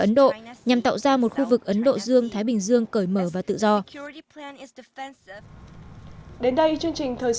ấn độ nhằm tạo ra một khu vực ấn độ dương thái bình dương cởi mở và tự do đến đây chương trình thời